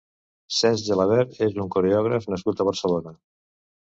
Cesc Gelabert és un coreògraf nascut a Barcelona.